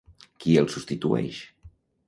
Qui el substitueix?